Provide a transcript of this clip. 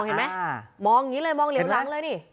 มองอย่างงี้เลยมองเหลวหลังเลยนี่